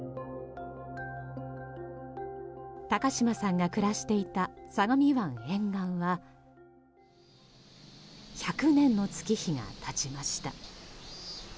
高嶋さんが暮らしていた相模湾沿岸は１００年の月日が経ちました。